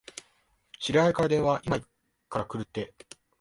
知り合いから電話、いまから来るって。